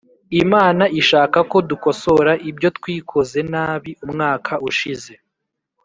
Imana ishaka ko dukosora ibyo twikoze nabi umwaka ushize